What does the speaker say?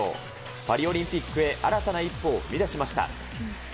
パリオリンピックへ、新たな一歩を踏み出しました。